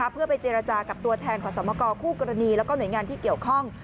เพื่อไปเจรจากับตัวแทนขอสมกคู่กรณีแล้วก็หน่วยงานที่เกี่ยวข้อง